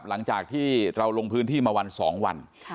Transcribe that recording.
หลังจากที่เราลงพื้นที่มาวัน๒วัน